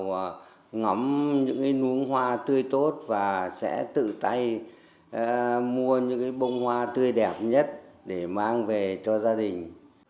và ngắm những nguồn hoa tươi tốt và sẽ tự tay mua những bông hoa tươi đẹp nhất để mang về cho gia đình